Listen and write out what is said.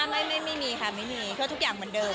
ไม่ไม่ไม่ไม่ค่ะไม่มีเพราะว่าทุกอย่างเหมือนเดิม